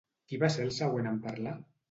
Qui va ser el següent en parlar?